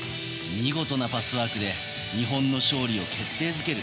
見事なパスワークで日本の勝利を決定づける